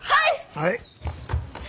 はい。